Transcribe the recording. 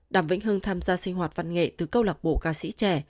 đàm vĩnh hưng tham gia sinh hoạt văn nghệ từ câu lạc bộ ca sĩ trẻ